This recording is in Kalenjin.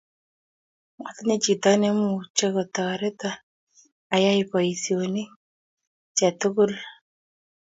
Matinye chito ne mukutoriton ayai boisionik chu tugul